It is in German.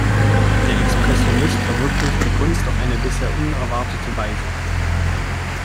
Der Expressionist verwirklicht die Kunst auf eine bisher unerwartete Weise.